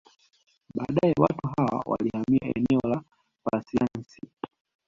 Baadae watu hawa walihamia eneo la Pasiansi